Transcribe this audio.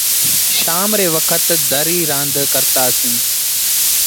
شآم ري وکت دريٚ رآند ڪرتآ سيٚݩ۔